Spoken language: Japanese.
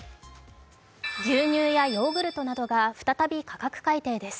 牛乳やヨーグルトなどが再び価格改定です。